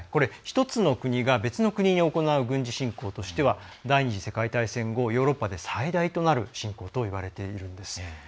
１つの国が別の国に行う軍事侵攻としては第２次世界大戦後ヨーロッパで最大となる侵攻といわれているんです。